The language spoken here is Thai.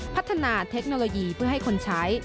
พัฒนาเทคโนโลยีเพื่อให้คนใช้